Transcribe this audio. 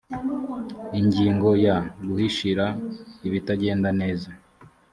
ingingo ya guhishira ibitagenda neza